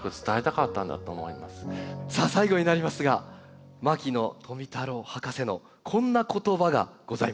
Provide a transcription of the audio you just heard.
最後になりますが牧野富太郎博士のこんな言葉がございます。